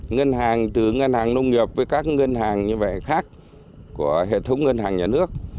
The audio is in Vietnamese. ngân hàng từ ngân hàng nông nghiệp với các ngân hàng như vậy khác của hệ thống ngân hàng nhà nước